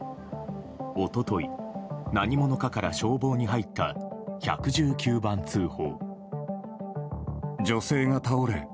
一昨日、何者かから消防に入った１１９番通報。